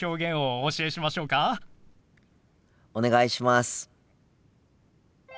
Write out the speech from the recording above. お願いします！